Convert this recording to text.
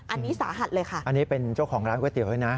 อันนี้สาหัสเลยค่ะอันนี้เป็นเจ้าของร้านก๋วยเตี๋ยวด้วยนะ